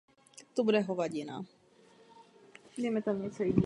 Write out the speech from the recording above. V rodném městě vystudoval gymnázium.